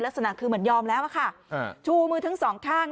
ลักษณะคือเหมือนยอมแล้วอะค่ะชูมือทั้งสองข้าง